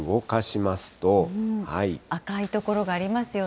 赤い所がありますよね。